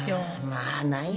まあない。